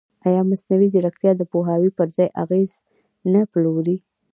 ایا مصنوعي ځیرکتیا د پوهاوي پر ځای اغېز نه پلوري؟